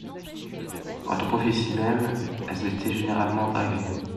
Quant aux prophéties mêmes, elles étaient généralement vagues.